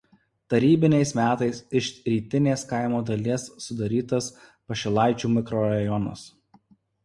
Tarybiniais metais iš rytinės kaimo dalies sudarytas Pašilaičių mikrorajonas.